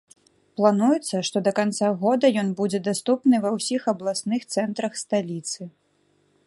Плануецца, што да канца года ён будзе даступны ва ўсіх абласных цэнтрах сталіцы.